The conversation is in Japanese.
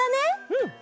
うん！